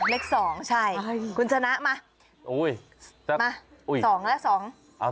เล็ก๒ใช่คุณชนะมา๒แล้ว๒